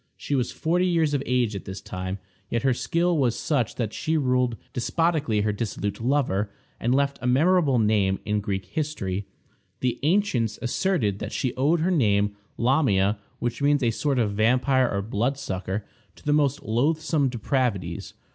She was forty years of age at this time, yet her skill was such that she ruled despotically her dissolute lover, and left a memorable name in Greek history. The ancients asserted that she owed her name, Lamia, which means a sort of vampire or bloodsucker, to the most loathsome depravities.